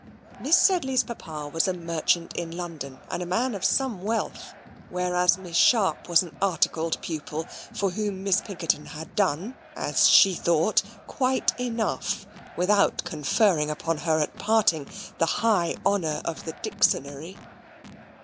Miss Sedley's papa was a merchant in London, and a man of some wealth; whereas Miss Sharp was an articled pupil, for whom Miss Pinkerton had done, as she thought, quite enough, without conferring upon her at parting the high honour of the Dixonary.